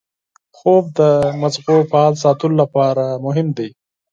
خوب د مغز فعال ساتلو لپاره مهم دی